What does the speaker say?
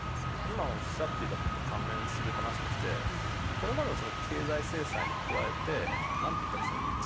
今おっしゃっていた事と関連する話としてこれまでの経済制裁に加えてなんて言ったらいいんですかね。